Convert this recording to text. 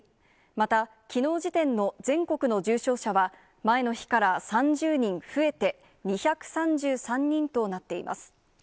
また、きのう時点の全国の重症者は、前の日から３０人増えて２３３人となっています。